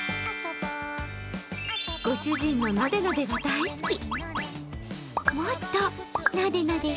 ご主人のなでなでが大好き。